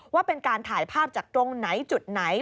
ว่าเป็นการถ่ายภาพจากตรงไหนจุดไหน